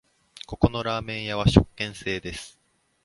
ここのラーメン屋は食券制です